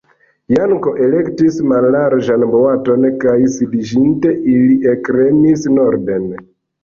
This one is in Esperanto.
Janko elektis mallarĝan boaton kaj sidiĝinte, ili ekremis norden.